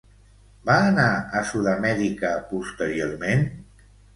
Va anar a Sud-amèrica posteriorment?